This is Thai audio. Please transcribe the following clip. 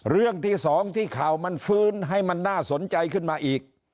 เรื่องที่สองที่ข่าวมันฟื้นให้มันน่าสนใจขึ้นมาอีก